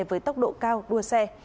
với tốc độ cao đua xe